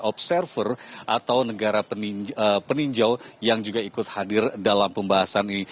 observer atau negara peninjau yang juga ikut hadir dalam pembahasan ini